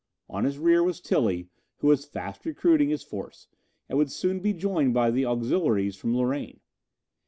On his rear was Tilly, who was fast recruiting his force, and would soon be joined by the auxiliaries from Lorraine.